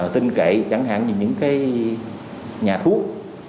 tinh cậy chẳng hạn như những nhà thuốc